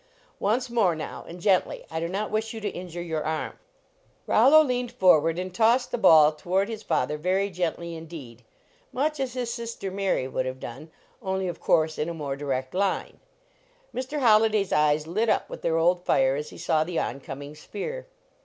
Once more, now, and gently; I do not wish you to injure your arm." Rollo leaned forward and tossed the ball toward his father very gently indeed, much as his sister Mary would have done, only, of course, in a more direct line. Mr. Holli day s eyes lit up with their old fire as he saw the on coming sphere.